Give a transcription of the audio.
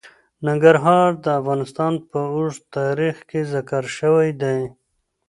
ننګرهار د افغانستان په اوږده تاریخ کې ذکر شوی دی.